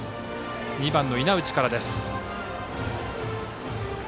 ２番の稲内からです。